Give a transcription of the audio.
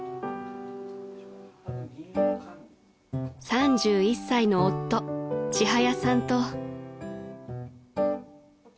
［３１歳の夫ちはやさんと］